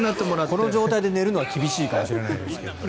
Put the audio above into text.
この状態で寝るのは厳しいかもしれないです。